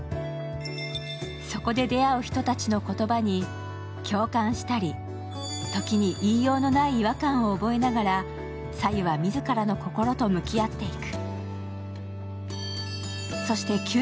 そこで出会う人たちの言葉に共感したり時に言いようのない違和感を覚えながら、早柚は自らの心と向き合っていく。